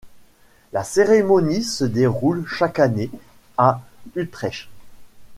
La cérémonie se déroule chaque année à Utrecht.